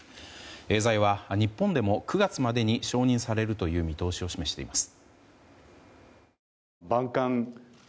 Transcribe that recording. エーザイは日本でも９月までに承認されるという見通しを示しています。